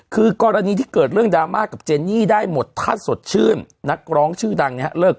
คือกรณีที่เกิดเรื่องดราม่ากับเจนนี่ได้หมดถ้าสดชื่นนักร้องชื่อดังเนี่ยเลิก